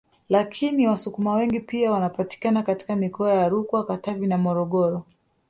Lakini Wasukuma wengi pia wanapatikana katika mikoa ya Rukwa Katavi na Morogoro